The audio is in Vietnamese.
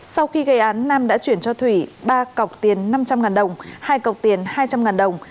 sau khi gây án nam đã chuyển cho thủy ba cọc tiền năm trăm linh đồng hai cọc tiền hai trăm linh đồng